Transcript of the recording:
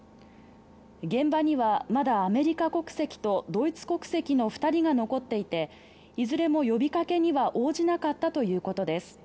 現場にはまだアメリカ国籍とドイツ国籍の２人が残っていていずれも呼びかけには応じなかったということです